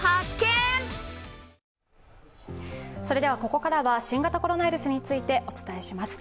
ここからは新型コロナウイルスについてお伝えします。